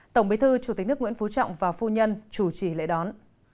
tổng bí thư chủ tịch nước nguyễn phú trọng và phu nhân chủ trì lễ đón